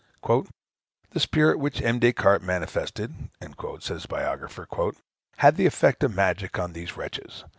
"The spirit which M. Des Cartes manifested," says his biographer, "had the effect of magic on these wretches.